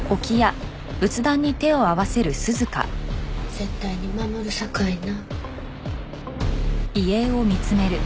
絶対に守るさかいな。